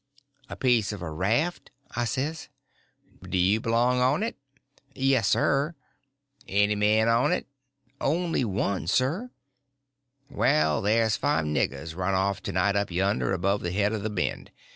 "A piece of a raft," I says. "Do you belong on it?" "Yes, sir." "Any men on it?" "Only one, sir." "Well, there's five niggers run off to night up yonder, above the head of the bend.